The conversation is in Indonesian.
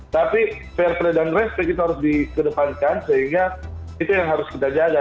tapi fair play dan respect itu harus dikedepankan sehingga itu yang harus kita jaga